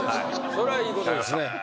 それはいいことですね。